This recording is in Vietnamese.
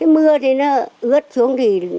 mưa thì nó ướt xuống